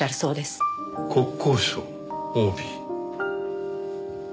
国交省ＯＢ。